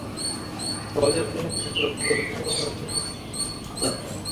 সওজের অধীনে থাকা সড়কগুলো চলতি শুষ্ক মৌসুমের সংস্কার করে ফেলা হবে।